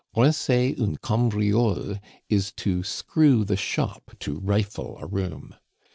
Rincer une cambriole is to "screw the shop," to rifle a room.